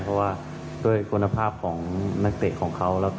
เพราะว่าด้วยคุณภาพของนักเตะของเขา